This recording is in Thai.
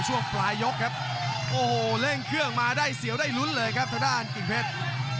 โอ้โหเล่งเครื่องมาได้เสียวได้ลุ้นเลยครับเทศด้านกิ่งเพชร